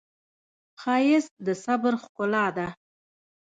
ښایست د صبر ښکلا ده